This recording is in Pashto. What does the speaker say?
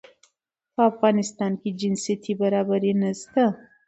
په افغانستان کې جنسيتي برابري نشته